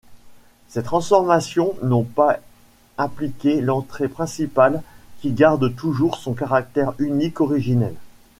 Ces transformations n'ont pas impliqué l'entrée principale qui garde toujours son caractère unique originel.